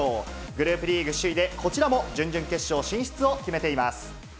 グループリーグ首位で、こちらも準々決勝進出を決めています。